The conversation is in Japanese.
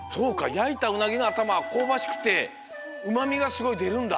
やいたうなぎのあたまはこうばしくてうまみがすごいでるんだ。